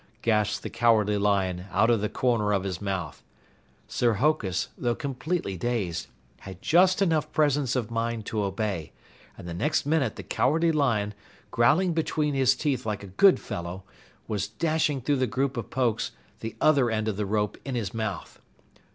gasped the Cowardly Lion out of the corner of his mouth. Sir Hokus, though completely dazed, had just enough presence of mind to obey, and the next minute the Cowardly Lion, growling between his teeth like a good fellow, was dashing through the group of Pokes, the other end of the rope in his mouth.